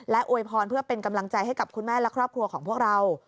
อวยพรเพื่อเป็นกำลังใจให้กับคุณแม่และครอบครัวของพวกเรา